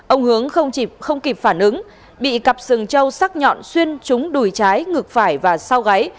ông hướng không kịp phản ứng bị cặp rừng châu sắc nhọn xuyên trúng đùi trái ngược phải và sau gáy